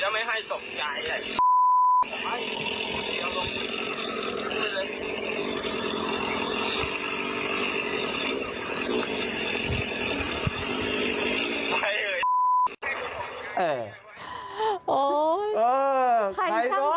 ไปเลยไอ้